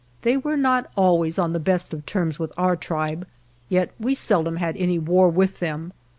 They were not always on the best of terms with our tribe, yet we seldom had any war with them.